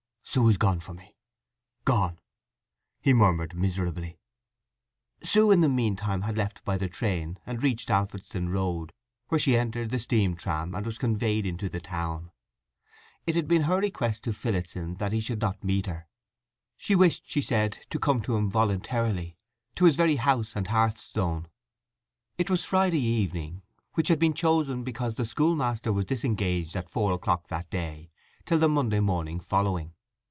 "Sue's gone from me—gone!" he murmured miserably. She in the meantime had left by the train, and reached Alfredston Road, where she entered the steam tram and was conveyed into the town. It had been her request to Phillotson that he should not meet her. She wished, she said, to come to him voluntarily, to his very house and hearthstone. It was Friday evening, which had been chosen because the schoolmaster was disengaged at four o'clock that day till the Monday morning following.